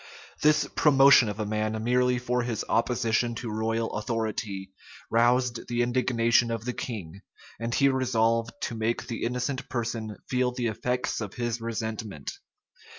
This promotion of a man merely for his opposition to royal authority, roused the indignation of the king; and he resolved to make the innocent person feel the effects of his resentment.